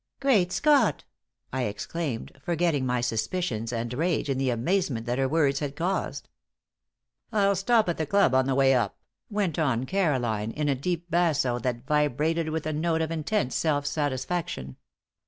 "Great Scott!" I exclaimed, forgetting my suspicions and rage in the amazement that her words had caused. "I'll stop at the club on the way up," went on Caroline, in a deep basso that vibrated with a note of intense self satisfaction.